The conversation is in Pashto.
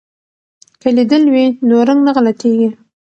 که لیدل وي نو رنګ نه غلطیږي.